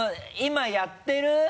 今やってる？